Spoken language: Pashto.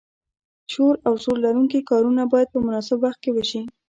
شور او زور لرونکي کارونه باید په مناسب وخت کې وشي.